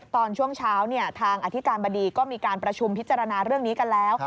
ตอนช่วงเช้าทางอธิการบดีก็มีการประชุมพิจารณาเรื่องนี้กันแล้ว